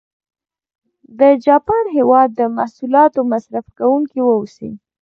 د جاپان هېواد د محصولاتو مصرف کوونکي و اوسي.